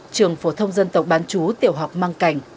trường phổ thông dân tộc bán chú tiểu học mang cảnh